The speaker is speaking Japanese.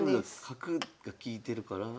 角が利いてるから。